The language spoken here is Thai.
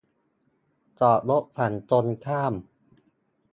จอดรถฝั่งตรงข้าม